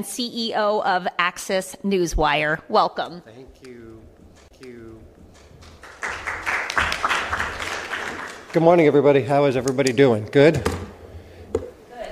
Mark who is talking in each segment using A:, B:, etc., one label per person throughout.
A: CEO of ACCESS Newswire, welcome.
B: Thank you. Good morning, everybody. How is everybody doing? Good?
A: Good,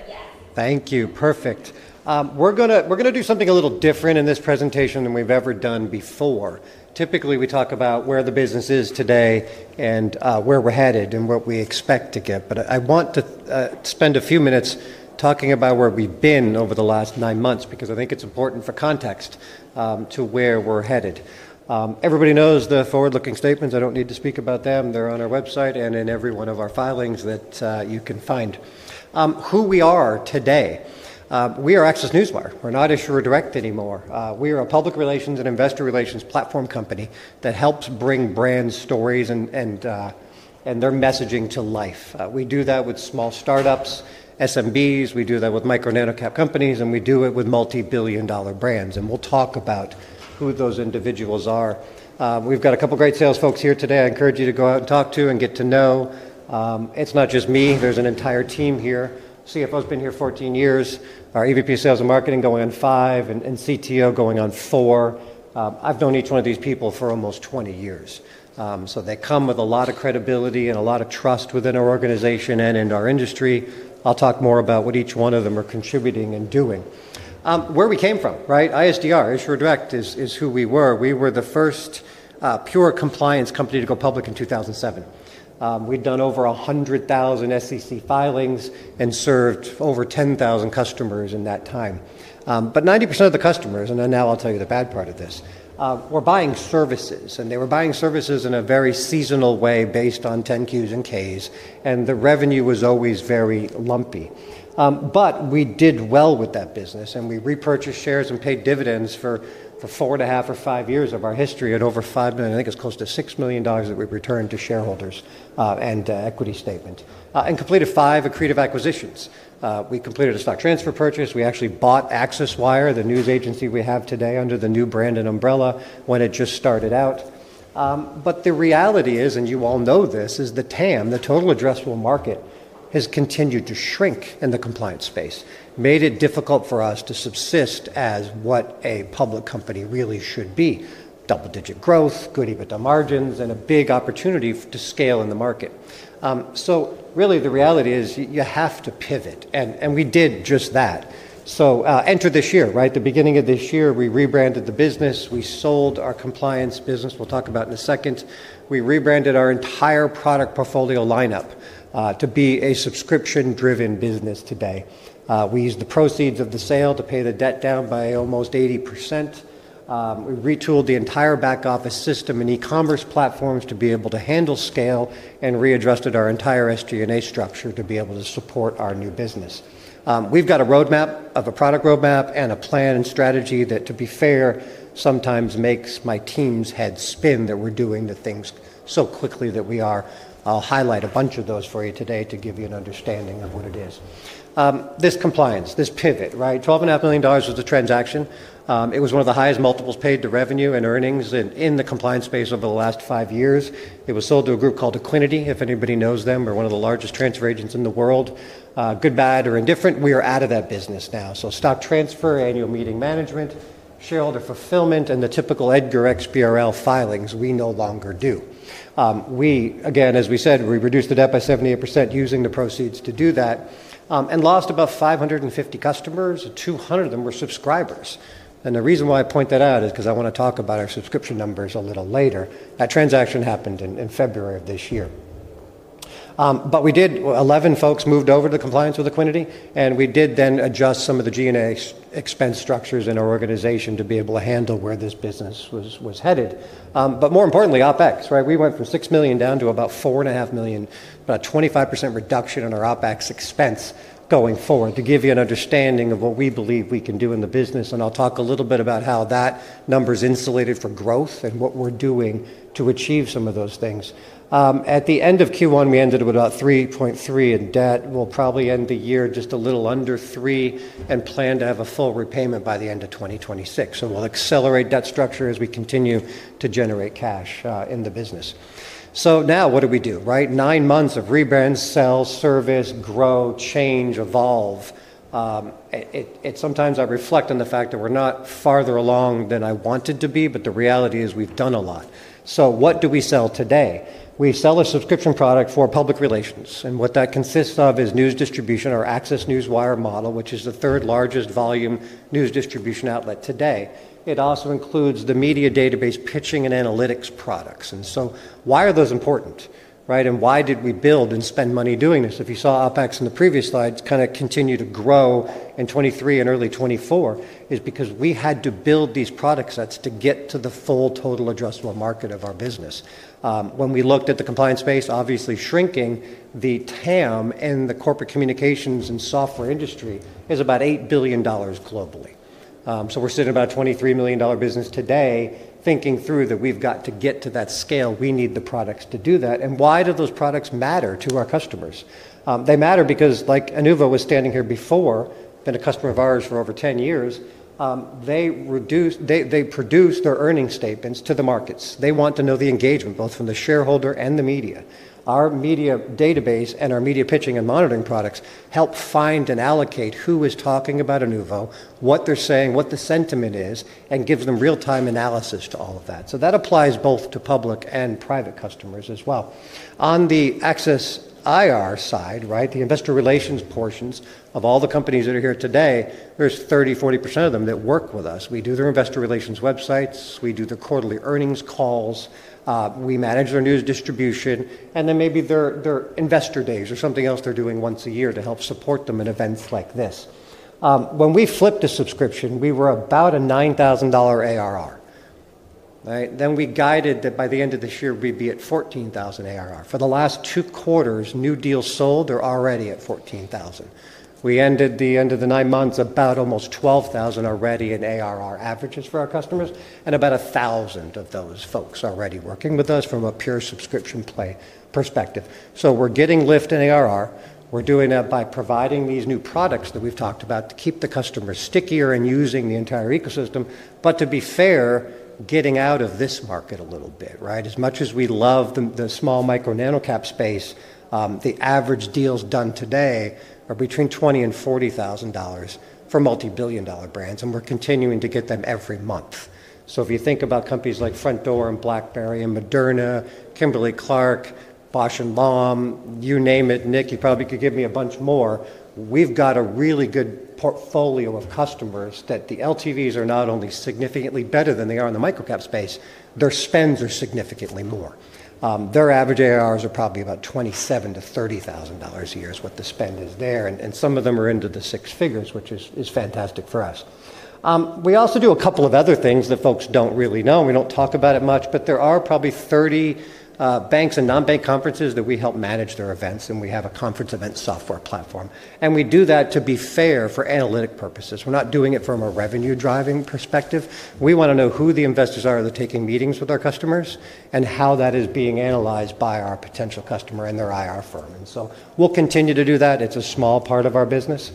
A: yeah.
B: Thank you. Perfect. We're going to do something a little different in this presentation than we've ever done before. Typically, we talk about where the business is today and where we're headed and what we expect to get. I want to spend a few minutes talking about where we've been over the last nine months because I think it's important for context to where we're headed. Everybody knows the forward-looking statements. I don't need to speak about them. They're on our website and in every one of our filings that you can find. Who we are today? We are ACCESS Newswire. We're not Issuer Direct anymore. We are a public relations and investor relations platform company that helps bring brand stories and their messaging to life. We do that with small startups, SMBs. We do that with micro and nano-cap companies. We do it with multi-billion dollar brands. We'll talk about who those individuals are. We've got a couple of great sales folks here today I encourage you to go out and talk to and get to know. It's not just me. There's an entire team here. CFO's been here 14 years. Our EVP of Sales and Marketing going on five. CTO going on four. I've known each one of these people for almost 20 years. They come with a lot of credibility and a lot of trust within our organization and in our industry. I'll talk more about what each one of them are contributing and doing. Where we came from, right? ISDR, Issuer Direct, is who we were. We were the first pure compliance company to go public in 2007. We'd done over 100,000 SEC filings and served over 10,000 customers in that time. 90% of the customers, and now I'll tell you the bad part of this, were buying services. They were buying services in a very seasonal way based on 10-Qs and Ks. The revenue was always very lumpy. We did well with that business. We repurchased shares and paid dividends for four and a half or five years of our history at over $5 million. I think it's close to $6 million that we've returned to shareholders and equity statements. We completed five accretive acquisitions. We completed a stock transfer purchase. We actually bought Axiswire, the news agency we have today under the new brand and umbrella when it just started out. The reality is, and you all know this, the total addressable market, or TAM, has continued to shrink in the compliance space, making it difficult for us to subsist as what a public company really should be: double-digit growth, good EBITDA margins, and a big opportunity to scale in the market. The reality is you have to pivot. We did just that. Enter this year, right? At the beginning of this year, we rebranded the business. We sold our compliance business. We'll talk about it in a second. We rebranded our entire product portfolio lineup to be a subscription-driven business today. We used the proceeds of the sale to pay the debt down by almost 80%. We retooled the entire back office system and e-commerce platforms to be able to handle scale and readjusted our entire SG&A structure to be able to support our new business. We've got a product roadmap and a plan and strategy that, to be fair, sometimes makes my team's head spin that we're doing the things so quickly that we are. I'll highlight a bunch of those for you today to give you an understanding of what it is. This compliance, this pivot, right? $12.5 million was the transaction. It was one of the highest multiples paid to revenue and earnings in the compliance space over the last five years. It was sold to a group called Equiniti. If anybody knows them, they're one of the largest transfer agents in the world. Good, bad, or indifferent, we are out of that business now. Stock transfer, annual meeting management, shareholder fulfillment, and the typical EDGAR XBRL filings we no longer do. As we said, we reduced the debt by 78% using the proceeds to do that and lost about 550 customers. 200 of them were subscribers. The reason why I point that out is because I want to talk about our subscription numbers a little later. That transaction happened in February of this year. 11 folks moved over to the compliance with Equiniti. We did then adjust some of the G&A expense structures in our organization to be able to handle where this business was headed. More importantly, OpEx, right? We went from $6 million down to about $4.5 million, about a 25% reduction in our OpEx expense going forward to give you an understanding of what we believe we can do in the business. I'll talk a little bit about how that number is insulated for growth and what we're doing to achieve some of those things. At the end of Q1, we ended with about $3.3 million in debt. We'll probably end the year just a little under $3 million and plan to have a full repayment by the end of 2026. We will accelerate that structure as we continue to generate cash in the business. Now, what do we do, right? Nine months of rebrand, sell, service, grow, change, evolve. Sometimes I reflect on the fact that we're not farther along than I wanted to be. The reality is we've done a lot. What do we sell today? We sell a subscription product for public relations. What that consists of is news distribution, our ACCESS Newswire model, which is the third largest volume news distribution outlet today. It also includes the Media Database, pitching, and analytics products. Why are those important, right? Why did we build and spend money doing this? If you saw OpEx in the previous slides, kind of continue to grow in 2023 and early 2024, it is because we had to build these product sets to get to the full total addressable market of our business. When we looked at the compliance space, obviously shrinking, the total addressable market in the corporate communications and software industry is about $8 billion globally. We're sitting about a $23 million business today, thinking through that we've got to get to that scale. We need the products to do that. Why do those products matter to our customers? They matter because, like Anova, who was standing here before, has been a customer of ours for over 10 years. They produce their earnings statements to the markets. They want to know the engagement, both from the shareholder and the media. Our Media Database and our media pitching and monitoring products help find and allocate who is talking about Anova, what they're saying, what the sentiment is, and give them real-time analysis to all of that. That applies both to public and private customers as well. On the ACCESS IR side, the investor relations portions of all the companies that are here today, there's 30%- 40% of them that work with us. We do their investor relations websites. We do their quarterly earnings calls. We manage their news distribution. Maybe their investor days or something else they're doing once a year to help support them in events like this. When we flipped to subscription, we were about a $9,000 annual recurring revenue. We guided that by the end of this year, we'd be at $14,000 annual recurring revenue. For the last two quarters, new deals sold are already at $14,000. We ended the end of the nine months at about almost $12,000 already in ARR averages for our customers. About 1,000 of those folks are already working with us from a pure subscription play perspective. We're getting lift in ARR. We're doing that by providing these new products that we've talked about to keep the customers stickier and using the entire ecosystem. To be fair, getting out of this market a little bit, right? As much as we love the small micro nano-cap space, the average deals done today are between $20,000 and $40,000 for multi-billion dollar brands. We're continuing to get them every month. If you think about companies like Frontier and BlackBerry and Moderna, Kimberly-Clark, Bausch + Lomb, you name it, Nick, you probably could give me a bunch more. We've got a really good portfolio of customers that the LTVs are not only significantly better than they are in the micro-cap space, their spends are significantly more. Their average ARRs are probably about $27,000-$30,000 a year is what the spend is there. Some of them are into the six figures, which is fantastic for us. We also do a couple of other things that folks don't really know. We don't talk about it much. There are probably 30 banks and non-bank conferences that we help manage their events. We have a Conference & Event Software platform. We do that, to be fair, for analytic purposes. We're not doing it from a revenue-driving perspective. We want to know who the investors are that are taking meetings with our customers, and how that is being analyzed by our potential customer and their IR firm. We'll continue to do that. It's a small part of our business.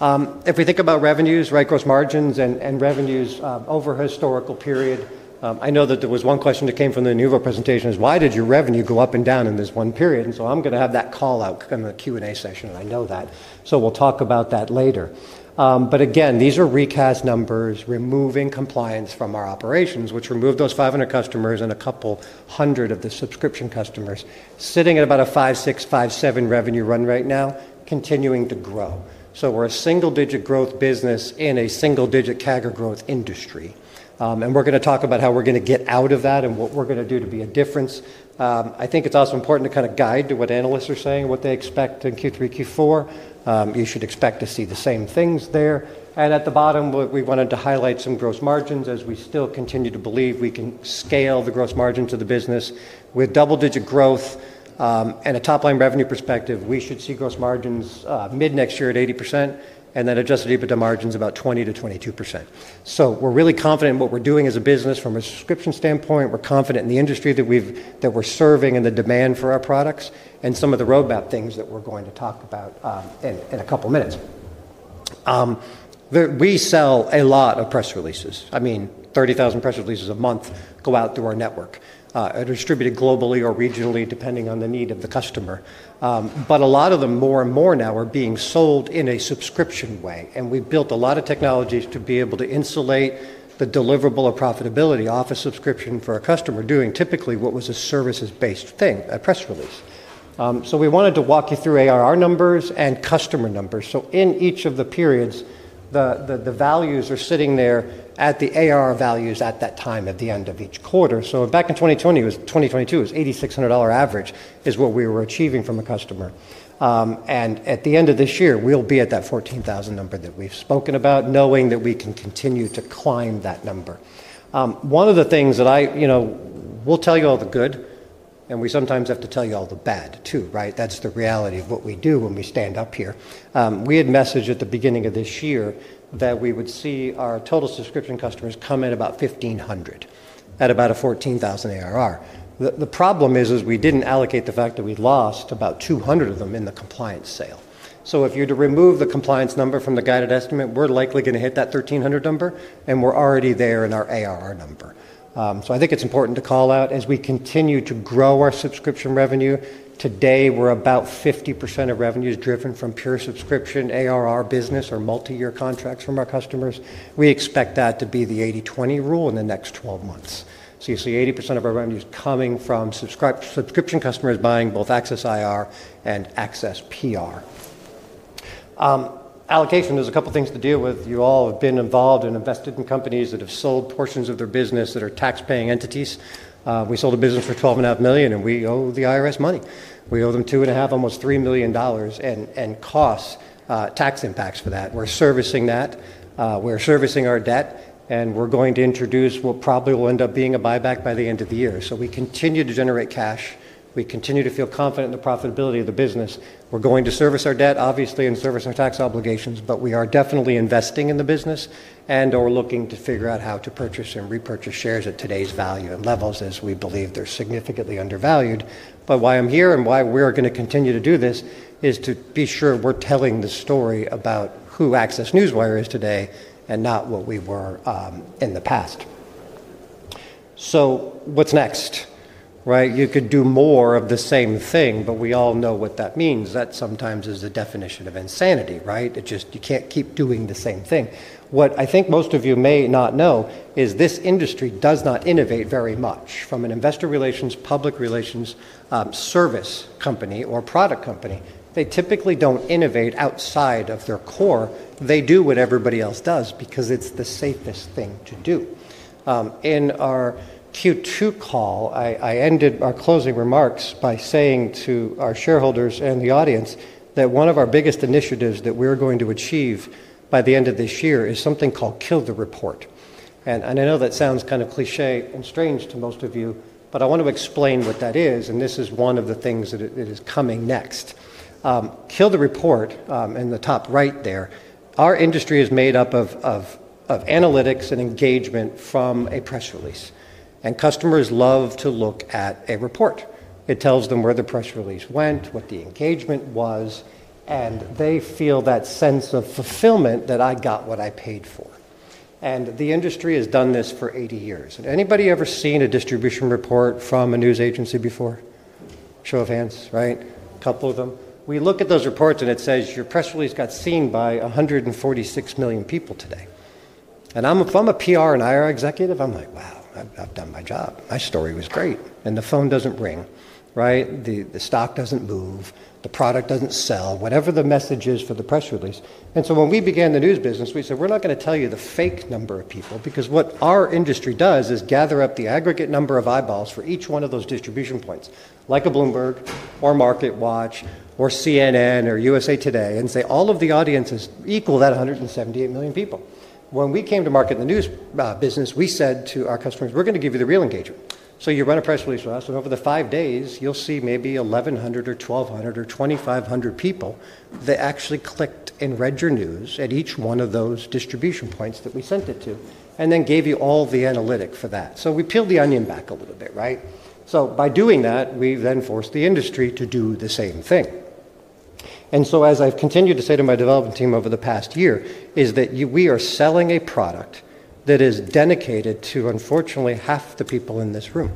B: If we think about revenues, gross margins and revenues over a historical period, I know that there was one question that came from the Anova presentation: why did your revenue go up and down in this one period? I'm going to have that call out in the Q&A session. I know that. We'll talk about that later. These are re-cast numbers removing compliance from our operations, which removed those 500 customers and a couple hundred of the subscription customers, sitting at about a $5.6, $5.7 million revenue run right now, continuing to grow. We're a single-digit growth business in a single-digit CAGR growth industry. We're going to talk about how we're going to get out of that and what we're going to do to be a difference. I think it's also important to kind of guide to what analysts are saying, what they expect in Q3, Q4. You should expect to see the same things there. At the bottom, we wanted to highlight some gross margins as we still continue to believe we can scale the gross margins of the business. With double-digit growth and a top-line revenue perspective, we should see gross margins mid-next year at 80% and then adjusted EBITDA margins about 20% to 22%. We're really confident in what we're doing as a business from a subscription standpoint. We're confident in the industry that we're serving and the demand for our products and some of the roadmap things that we're going to talk about in a couple of minutes. We sell a lot of press releases. I mean, 30,000 press releases a month go out through our network. They're distributed globally or regionally, depending on the need of the customer. A lot of them, more and more now, are being sold in a subscription way. We've built a lot of technologies to be able to insulate the deliverable or profitability off a subscription for a customer doing typically what was a services-based thing, a press release. We wanted to walk you through ARR numbers and customer numbers. In each of the periods, the values are sitting there at the ARR values at that time at the end of each quarter. Back in 2022, it was $8,600 average is what we were achieving from a customer. At the end of this year, we'll be at that $14,000 number that we've spoken about, knowing that we can continue to climb that number. One of the things that I, you know, we'll tell you all the good. We sometimes have to tell you all the bad, too, right? That's the reality of what we do when we stand up here. We had messaged at the beginning of this year that we would see our total subscription customers come in about 1,500 at about a $14,000 ARR. The problem is we didn't allocate the fact that we lost about 200 of them in the compliance sale. If you were to remove the compliance number from the guided estimate, we're likely going to hit that 1,300 number. We're already there in our ARR number. I think it's important to call out, as we continue to grow our subscription revenue, today we're about 50% of revenue is driven from pure subscription ARR business or multi-year contracts from our customers. We expect that to be the 80/20 rule in the next 12 months. You see 80% of our revenue is coming from subscription customers buying both ACCESS IR and ACCESS PR. Allocation, there's a couple of things to deal with. You all have been involved and invested in companies that have sold portions of their business that are tax-paying entities. We sold a business for $12.5 million. We owe the IRS money. We owe them $2.5 million, almost $3 million, in costs, tax impacts for that. We're servicing that. We're servicing our debt. We're going to introduce what probably will end up being a buyback by the end of the year. We continue to generate cash. We continue to feel confident in the profitability of the business. We're going to service our debt, obviously, and service our tax obligations. We are definitely investing in the business and/or looking to figure out how to purchase and repurchase shares at today's value and levels, as we believe they're significantly undervalued. Why I'm here and why we're going to continue to do this is to be sure we're telling the story about who ACCESS Newswire is today and not what we were in the past. What's next, right? You could do more of the same thing. We all know what that means. That sometimes is the definition of insanity, right? You can't keep doing the same thing. What I think most of you may not know is this industry does not innovate very much. From an investor relations, public relations service company, or product company, they typically don't innovate outside of their core. They do what everybody else does because it's the safest thing to do. In our Q2 call, I ended our closing remarks by saying to our shareholders and the audience that one of our biggest initiatives that we're going to achieve by the end of this year is something called Kill the Report. I know that sounds kind of cliché and strange to most of you. I want to explain what that is. This is one of the things that is coming next. Kill the Report in the top right there, our industry is made up of analytics and engagement from a press release. Customers love to look at a report. It tells them where the press release went, what the engagement was. They feel that sense of fulfillment that I got what I paid for. The industry has done this for 80 years. Has anybody ever seen a distribution report from a news agency before? Show of hands, right? A couple of them. We look at those reports. It says, your press release got seen by 146 million people today. If I'm a PR and IR executive, I'm like, wow, I've done my job. My story was great. The phone doesn't ring, right? The stock doesn't move. The product doesn't sell, whatever the message is for the press release. When we began the news business, we said we're not going to tell you the fake number of people because what our industry does is gather up the aggregate number of eyeballs for each one of those distribution points, like a Bloomberg or MarketWatch or CNN or USA Today, and say all of the audience is equal to that 178 million people. When we came to market in the news business, we said to our customers we're going to give you the real engagement. You run a press release with us, and over the five days, you'll see maybe 1,100 or 1,200 or 2,500 people that actually clicked and read your news at each one of those distribution points that we sent it to and then gave you all the analytic for that. We peeled the onion back a little bit, right? By doing that, we then forced the industry to do the same thing. As I've continued to say to my development team over the past year, we are selling a product that is dedicated to, unfortunately, half the people in this room.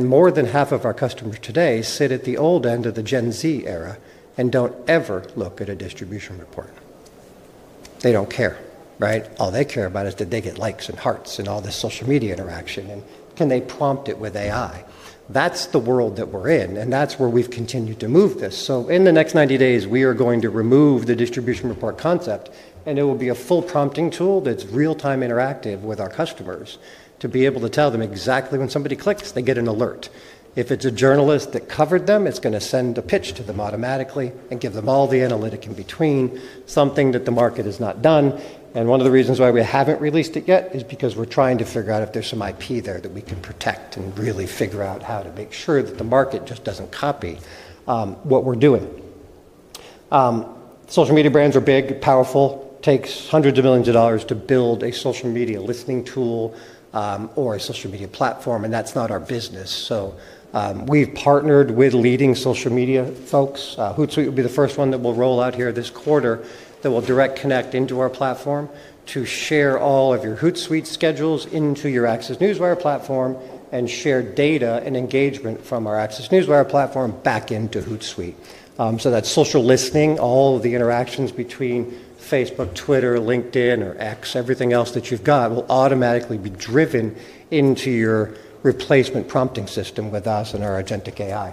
B: More than half of our customers today sit at the old end of the Gen Z era and don't ever look at a distribution report. They don't care, right? All they care about is that they get likes and hearts and all this social media interaction. Can they prompt it with AI? That's the world that we're in. That's where we've continued to move this. In the next 90 days, we are going to remove the distribution report concept. It will be a full prompting tool that's real-time interactive with our customers to be able to tell them exactly when somebody clicks, they get an alert. If it's a journalist that covered them, it's going to send a pitch to them automatically and give them all the analytic in between, something that the market has not done. One of the reasons why we haven't released it yet is because we're trying to figure out if there's some IP there that we can protect and really figure out how to make sure that the market just doesn't copy what we're doing. Social media brands are big, powerful. It takes hundreds of millions of dollars to build a social media listening tool or a social media platform. That's not our business. We've partnered with leading social media folks. Hootsuite will be the first one that we'll roll out here this quarter that will direct connect into our platform to share all of your Hootsuite schedules into your ACCESS Newswire platform and share data and engagement from our ACCESS Newswire platform back into Hootsuite. That social listening, all of the interactions between Facebook, Twitter, LinkedIn, or X, everything else that you've got will automatically be driven into your replacement prompting system with us and our Agentic AI.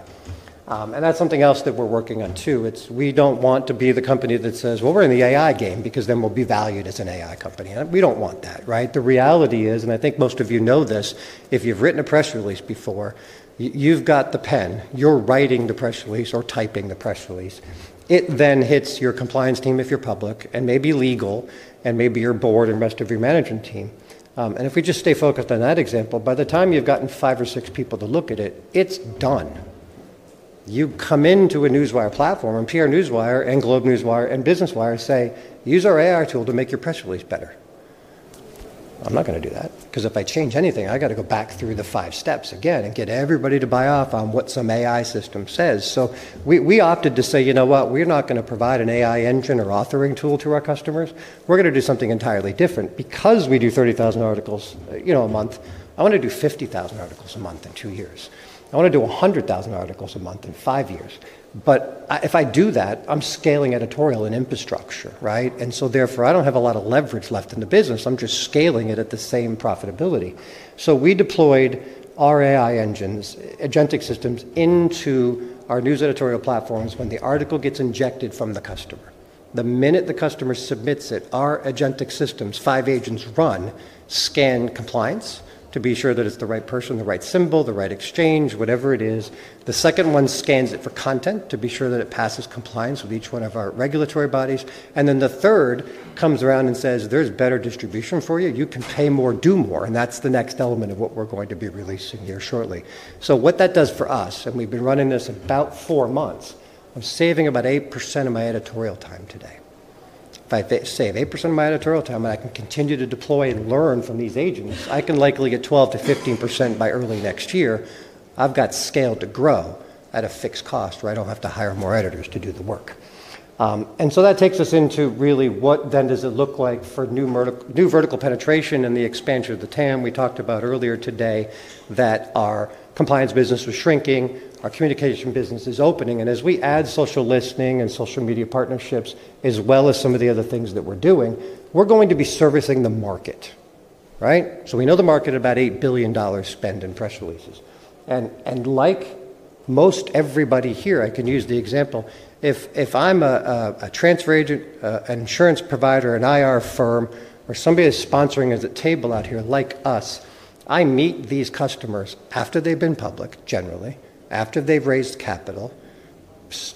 B: That's something else that we're working on, too. We don't want to be the company that says, we're in the AI game because then we'll be valued as an AI company. We don't want that, right? The reality is, and I think most of you know this, if you've written a press release before, you've got the pen. You're writing the press release or typing the press release. It then hits your compliance team if you're public and maybe legal and maybe your board and rest of your management team. If we just stay focused on that example, by the time you've gotten five or six people to look at it, it's done. You come into a Newswire platform and PR Newswire and GlobeNewswire, Business Wire say, use our AI tool to make your press release better. I'm not going to do that because if I change anything, I got to go back through the five steps again and get everybody to buy off on what some AI system says. We opted to say, you know what? We're not going to provide an AI engine or authoring tool to our customers. We're going to do something entirely different. Because we do 30,000 articles a month, I want to do 50,000 articles a month in two years. I want to do 100,000 articles a month in five years. If I do that, I'm scaling editorial and infrastructure, right? Therefore, I don't have a lot of leverage left in the business. I'm just scaling it at the same profitability. We deployed our AI engines, agentic systems, into our news editorial platforms when the article gets injected from the customer. The minute the customer submits it, our agentic systems, five agents run, scan compliance to be sure that it's the right person, the right symbol, the right exchange, whatever it is. The second one scans it for content to be sure that it passes compliance with each one of our regulatory bodies. The third comes around and says, there's better distribution for you. You can pay more, do more. That's the next element of what we're going to be releasing here shortly. What that does for us, and we've been running this about four months, I'm saving about 8% of my editorial time today. If I save 8% of my editorial time and I can continue to deploy and learn from these agents, I can likely get 12%-15% by early next year. I've got scale to grow at a fixed cost where I don't have to hire more editors to do the work. That takes us into really what then does it look like for new vertical penetration and the expansion of the total addressable market we talked about earlier today that our compliance business was shrinking, our communication business is opening. As we add social listening and social media partnerships, as well as some of the other things that we're doing, we're going to be servicing the market, right? We know the market at about $8 billion spend in press releases. Like most everybody here, I can use the example. If I'm a transfer agent, an insurance provider, an IR firm, or somebody is sponsoring us a table out here like us, I meet these customers after they've been public, generally, after they've raised capital,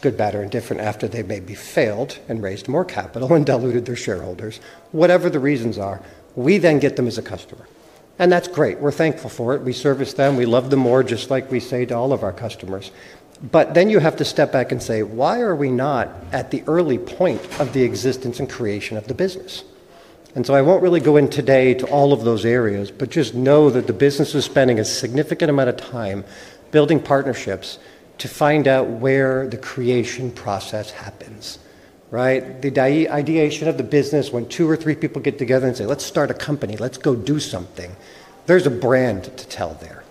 B: good, bad, or indifferent, after they may have failed and raised more capital and diluted their shareholders, whatever the reasons are, we then get them as a customer. That's great. We're thankful for it. We service them. We love them more, just like we say to all of our customers. You have to step back and say, why are we not at the early point of the existence and creation of the business? I won't really go in today to all of those areas, but just know that the business is spending a significant amount of time building partnerships to find out where the creation process happens, right? The ideation of the business when two or three people get together and say, let's start a company. Let's go do something. There's a brand to tell there,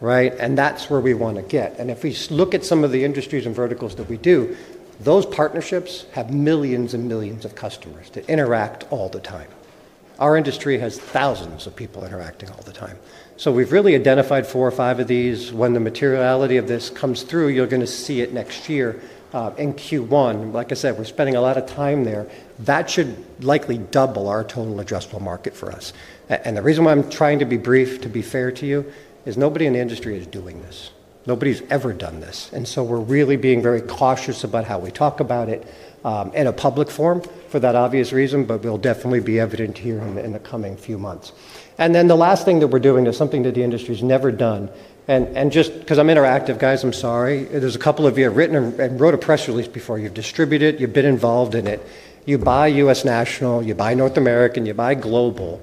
B: right? That's where we want to get. If we look at some of the industries and verticals that we do, those partnerships have millions and millions of customers that interact all the time. Our industry has thousands of people interacting all the time. We've really identified four or five of these. When the materiality of this comes through, you're going to see it next year in Q1. Like I said, we're spending a lot of time there. That should likely double our total addressable market for us. The reason why I'm trying to be brief, to be fair to you, is nobody in the industry is doing this. Nobody's ever done this. We're really being very cautious about how we talk about it in a public forum, for that obvious reason. It'll definitely be evident here in the coming few months. The last thing that we're doing is something that the industry has never done. Just because I'm interactive, guys, I'm sorry. There's a couple of you who have written and wrote a press release before. You've distributed it. You've been involved in it. You buy U.S. National. You buy North America. You buy Global.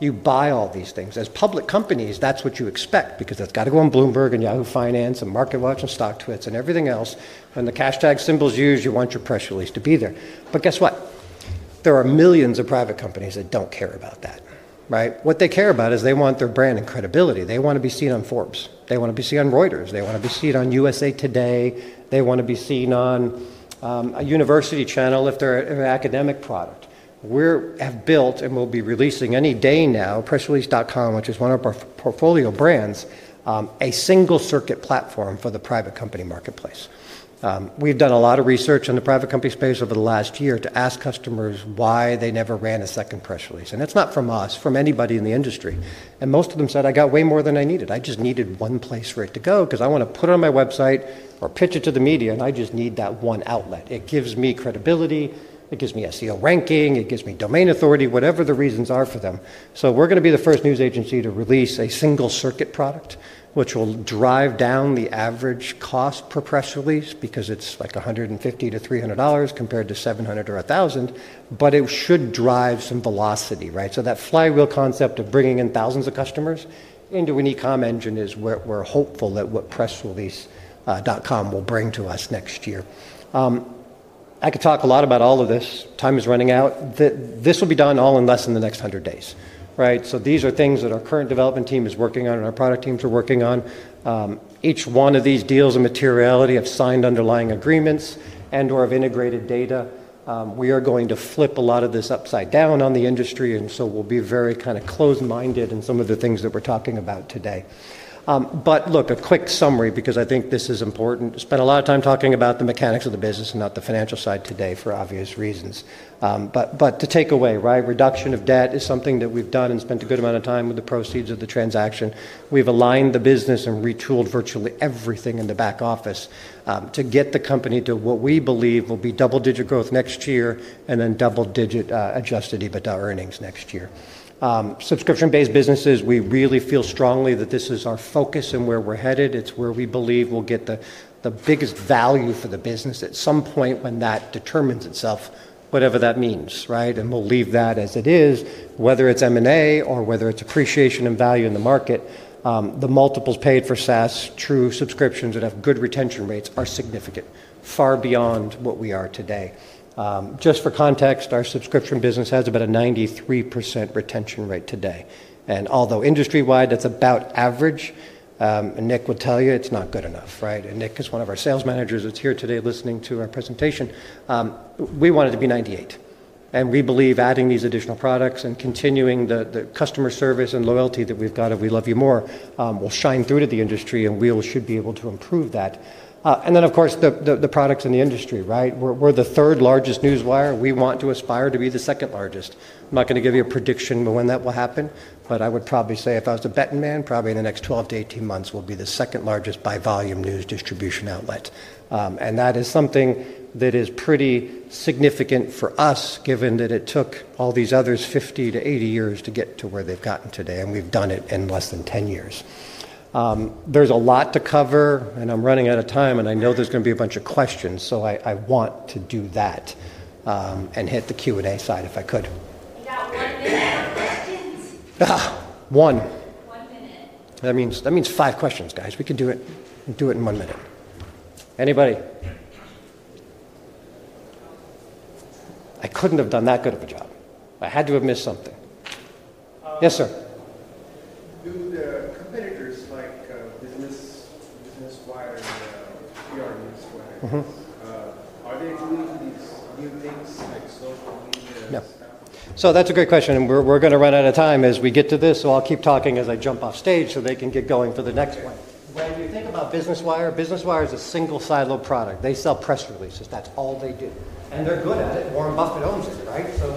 B: You buy all these things. As public companies, that's what you expect because that's got to go on Bloomberg and Yahoo Finance and MarketWatch and StockTwits and everything else. The hashtag symbols used, you want your press release to be there. Guess what? There are millions of private companies that don't care about that, right? What they care about is they want their brand and credibility. They want to be seen on Forbes. They want to be seen on Reuters. They want to be seen on USA Today. They want to be seen on a university channel if they're an academic product. We have built and will be releasing any day now, pressrelease.com, which is one of our portfolio brands, a single circuit platform for the private company marketplace. We've done a lot of research in the private company space over the last year to ask customers why they never ran a second press release. It's not from us, from anybody in the industry. Most of them said, I got way more than I needed. I just needed one place for it to go because I want to put it on my website or pitch it to the media. I just need that one outlet. It gives me credibility. It gives me SEO ranking. It gives me domain authority, whatever the reasons are for them. We're going to be the first news agency to release a single circuit product, which will drive down the average cost per press release because it's like $150-$300 compared to $700 or $1,000. It should drive some velocity, right? That flywheel concept of bringing in thousands of customers into an e-comm engine is what we're hopeful that what pressrelease.com will bring to us next year. I could talk a lot about all of this. Time is running out. This will be done all in less than the next 100 days, right? These are things that our current development team is working on and our product teams are working on. Each one of these deals and materiality have signed underlying agreements and/or have integrated data. We are going to flip a lot of this upside down on the industry. We will be very kind of close-minded in some of the things that we're talking about today. Look, a quick summary because I think this is important. We spent a lot of time talking about the mechanics of the business and not the financial side today for obvious reasons. To take away, right, reduction of debt is something that we've done and spent a good amount of time with the proceeds of the transaction. We've aligned the business and retooled virtually everything in the back office to get the company to what we believe will be double-digit growth next year and then double-digit adjusted EBITDA earnings next year. Subscription-based businesses, we really feel strongly that this is our focus and where we're headed. It's where we believe we'll get the biggest value for the business at some point when that determines itself, whatever that means, right? We'll leave that as it is. Whether it's M&A or whether it's appreciation and value in the market, the multiples paid for SaaS, true subscriptions that have good retention rates are significant, far beyond what we are today. Just for context, our subscription business has about a 93% retention rate today. Although industry-wide, that's about average, Nick will tell you it's not good enough, right? Nick is one of our sales managers that's here today listening to our presentation. We want it to be 98%. We believe adding these additional products and continuing the customer service and loyalty that we've got of We Love You More will shine through to the industry. We should be able to improve that. Of course, the products in the industry, right? We're the third largest newswire. We want to aspire to be the second largest. I'm not going to give you a prediction of when that will happen. I would probably say if I was a betting man, probably in the next 12-18 months, we'll be the second largest by volume news distribution outlet. That is something that is pretty significant for us, given that it took all these others 50-80 years to get to where they've gotten today. We've done it in less than 10 years. There's a lot to cover. I'm running out of time. I know there's going to be a bunch of questions. I want to do that and hit the Q&A side if I could.
C: We got one minute for questions.
B: One?
C: One minute.
B: That means five questions, guys. We can do it in one minute. Anybody? I couldn't have done that good of a job. I had to have missed something. Yes, sir.
C: Do the competitors, like Business Wire, PR Newswire, are they doing these new things like social media?
B: That's a great question. We're going to run out of time as we get to this, so I'll keep talking as I jump off stage so they can get going for the next one. When you think about Businesswire, Businesswire is a single silo product. They sell press releases. That's all they do, and they're good at it. Warren Buffett owns it, right?